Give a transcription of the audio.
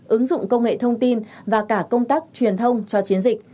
ứng dụng công nghệ thông tin và cả công tác truyền thông